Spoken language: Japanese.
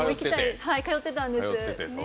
通ってたんです。